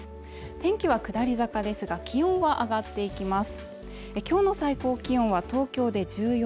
天気は下り坂ですが気温は上がっていきます